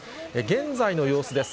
現在の様子です。